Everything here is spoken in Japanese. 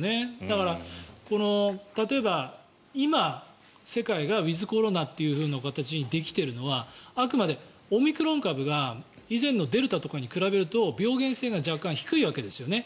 だから、例えば今、世界がウィズコロナという形にできているのはあくまでオミクロン株が以前のデルタとかに比べると病原性が若干低いわけですよね。